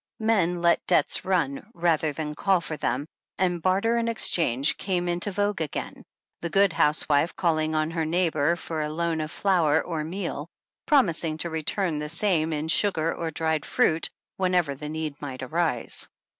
Men let debts run, rather than call for them, and barter and exchange came into vogue again, the good housewife calling on her neighbor for a loan of flour or meal, promising to return the same in sugar or dried fruit whenever the need might arise.